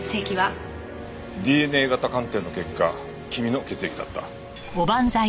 ＤＮＡ型鑑定の結果君の血液だった。